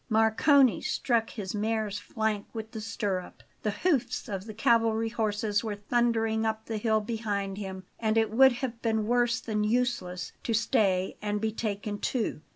Marcone struck his mare's flank with the stirrup; the hoofs of the cavalry horses were thundering up the hill behind him; and it would have been worse than useless to stay and be taken too.